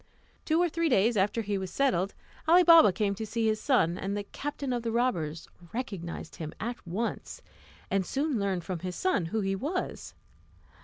Two or three days after he was settled, Ali Baba came to see his son, and the captain of the robbers recognised him at once, and soon learned from his son who he was.